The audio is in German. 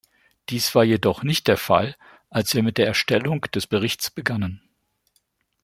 Dies war jedoch nicht der Fall, als wir mit der Erstellung des Berichts begannen.